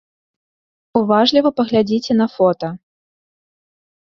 Уважліва паглядзіце на фота.